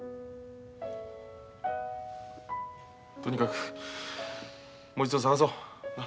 とにかくもう一度捜そう。